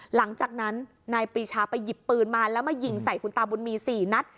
หลังจากนั้นนายปรีชาไปหยิบปืนมาแล้วมายิงใส่คุณตาบุญมี๔นัด